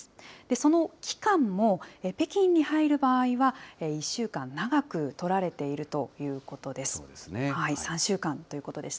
その期間も、北京に入る場合は１週間長くとられているということです。